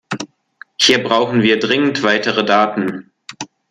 Hier brauchen wir dringend weitere Daten.